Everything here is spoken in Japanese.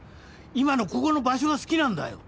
今のここの場所が好きなんだよ。